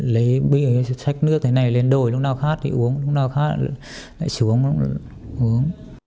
lấy bia sách nước này lên đồi lúc nào khát thì uống lúc nào khát lại xuống uống